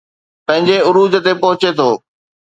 پنهنجي عروج تي پهچي ٿو